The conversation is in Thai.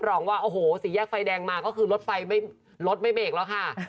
โอ้โหสีแยกไฟแดงมาก็คือรถไฟไม่เบรกแล้วค่ะ